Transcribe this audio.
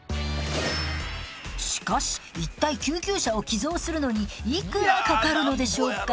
しかし一体救急車を寄贈するのにいくらかかるのでしょうか？